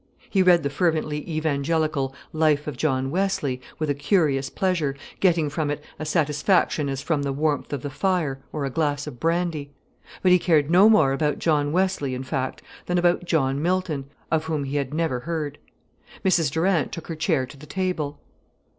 He read the fervently evangelical Life of John Wesley with a curious pleasure, getting from it a satisfaction as from the warmth of the fire, or a glass of brandy. But he cared no more about John Wesley, in fact, than about John Milton, of whom he had never heard. Mrs Durant took her chair to the table.